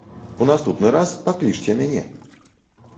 У наступны раз паклічце мяне.